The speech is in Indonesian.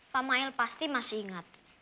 pak mail pasti masih ingat